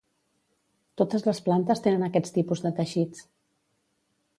Totes les plantes tenen aquests tipus de teixits.